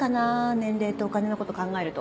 年齢とお金のこと考えると。